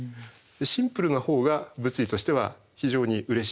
シンプルなほうが物理としては非常にうれしいわけです。